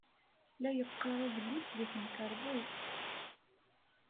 La yeqqar adlis deg temkarḍit.